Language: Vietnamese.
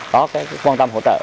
có quan tâm hỗ trợ